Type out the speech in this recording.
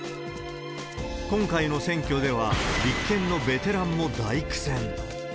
今回の選挙では、立憲のベテランも大苦戦。